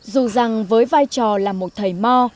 dù rằng với vai trò là một thầy mo